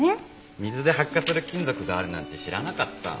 水で発火する金属があるなんて知らなかった。